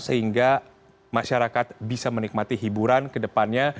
sehingga masyarakat bisa menikmati hiburan kedepannya